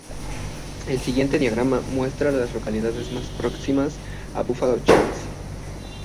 El siguiente diagrama muestra a las localidades más próximas a Buffalo Chase.